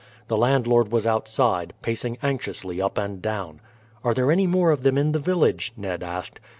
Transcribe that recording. The landlord was outside, pacing anxiously up and down. "Are there any more of them in the village?" Ned asked.